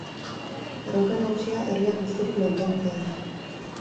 Erronka nagusia herriak bizirik mantentzea da.